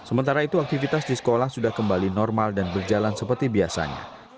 sementara itu aktivitas di sekolah sudah kembali normal dan berjalan seperti biasanya